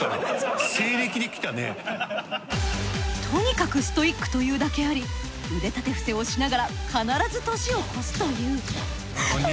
とにかくストイックというだけあり腕立て伏せをしながら必ず年を越すという。